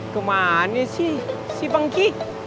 kemana sih si vengkih